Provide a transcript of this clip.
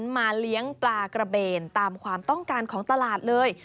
มีความต้องการของตลาดเลย